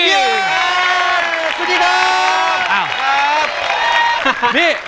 สวัสดีครับ